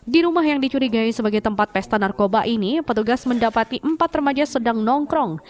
di rumah yang dicurigai sebagai tempat pesta narkoba ini petugas mendapati empat remaja sedang nongkrong